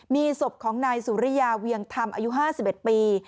มีศพของนายสุริยาเวียงธรรมอายุ๕๑ปี